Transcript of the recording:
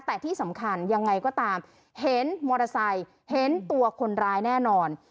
แต่ที่สำคัญยังไงก็ตามเห็นมอเตอร์ไซค์เห็นตัวคนร้ายแน่นอน